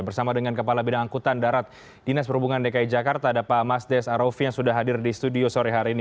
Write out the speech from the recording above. bersama dengan kepala bidang angkutan darat dinas perhubungan dki jakarta ada pak mas des arofi yang sudah hadir di studio sore hari ini